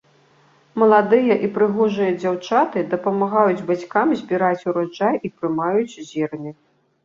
Маладыя і прыгожыя дзяўчаты дапамагаюць бацькам збіраць ураджай і прымаюць зерне.